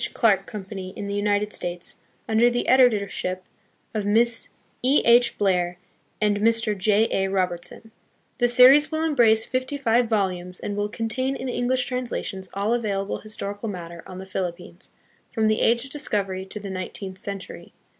Clark Company in the United States, under the editorship of Miss E. H. Blair and Mr. J. A. Robertson. The series will embrace fifty five volumes, and will contain in English translations all available historical material on the Philip pines, from the age of discovery to the nineteenth century.